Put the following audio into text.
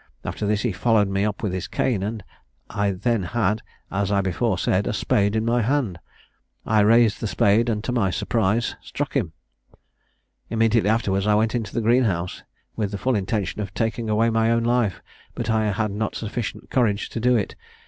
After this he followed me up with his cane, and I then had, as I before said, a spade in my hand. I raised the spade, and to my surprise struck him. "Immediately afterwards I went into the green house, with the full intention of taking away my own life, but I had not sufficient courage to do it.